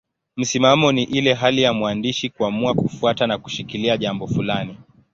Msimamo ni ile hali ya mwandishi kuamua kufuata na kushikilia jambo fulani.